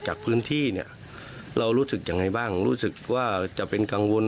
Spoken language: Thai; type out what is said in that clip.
จากพื้นที่เนี่ยเรารู้สึกยังไงบ้างรู้สึกว่าจะเป็นกังวล